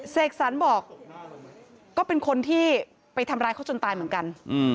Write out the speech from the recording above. เสกสรรบอกก็เป็นคนที่ไปทำร้ายเขาจนตายเหมือนกัน